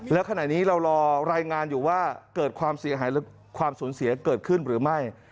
แล้วขณะนี้เรารอรายงานอยู่ว่าเกิดความเสียหายและความสูญเสียเกิดขึ้นหรือไม่